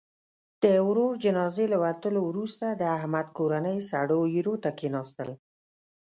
د ورور جنازې له وتلو وروسته، د احمد کورنۍ سړو ایرو ته کېناستل.